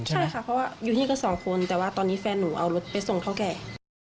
ใช่ค่ะเพราะว่าอยู่ที่กันสองคนแต่ว่าตอนนี้แฟนหนูเอารถไปส่งเท่าแก่